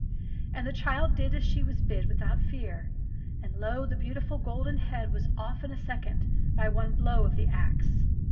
And the child did as she was bid without fear ; and lo ! THE ROSE TREE 359 the beautiful little golden head was off in a second, by one blow of the axe.